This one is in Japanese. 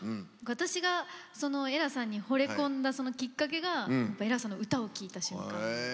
私がエラさんにほれ込んだきっかけがやっぱエラさんの歌を聴いた瞬間。